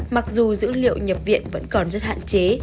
mặc dù dữ liệu nhập viện vẫn còn rất hạn chế